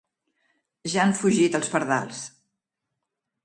Ja han fugit els pardals.